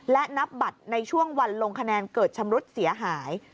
และนับบัตรในช่วงวันลงคะแนนเกิดชำรุดเสียหาย